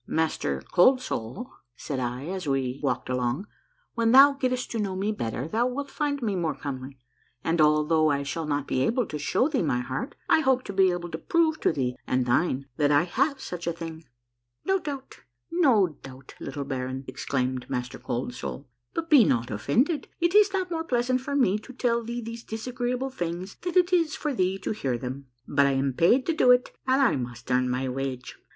"Master Cold Soul," said I, as we walked along, " when thou gettest to know me better thou wilt find me more comely, and although I shall not be able to show thee my heart, I hope to be able to prove to thee and thine that I have such a thing." " No doubt, no doubt, little baron," exclaimed Master Cold 52 A MARVELLOUS UNDERGROUND JOURNEY Soul, " but be not offended. It is not more pleasant for me to tell thee these disagreeable things than it is for thee to hear them, but I am paid to do it and I must earn my wage.